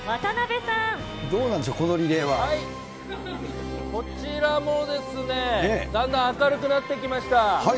どうなんでしょう、このリレこちらもですね、だんだん明るくなってきました。